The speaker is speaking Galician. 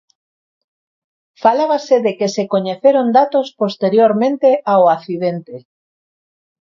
Falábase de que se coñeceron datos posteriormente ao accidente.